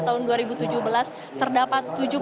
tahun dua ribu tujuh belas terdapat